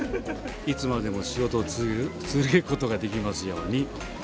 いつまでも仕事を続ける事ができますように。